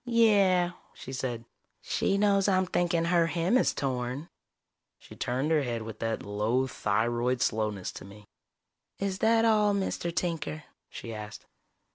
"Yeah," she said. "She knows I'm thinking her hem is torn." She turned her head with that low thyroid slowness to me. "Is that all, Mr. Tinker?" she asked.